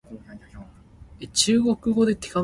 上天無路，落地無步